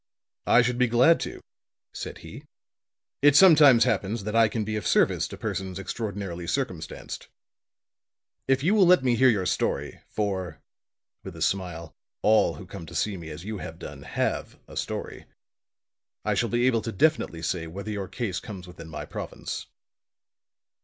"I should be glad to," said he. "It sometimes happens that I can be of service to persons extraordinarily circumstanced. If you will let me hear your story for," with a smile, "all who come to see me as you have done have a story I shall be able to definitely say whether your case comes within my province."